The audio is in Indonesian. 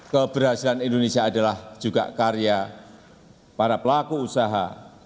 keberhasilan indonesia adalah juga karya para pelaku usaha